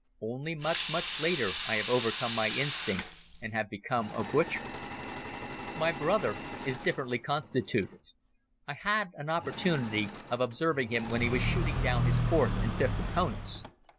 Only much, much later I have overcome my instinct and have become a butcher. My brother is differently constituted. I had an opportunity of observing him when he was shooting down his fourth and fifth opponents.